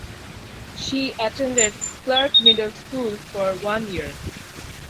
She attended Clark Middle School for one year.